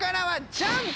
ジャンプ。